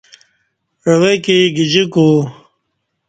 عوہ کی گجیکو